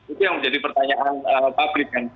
itu yang menjadi pertanyaan publik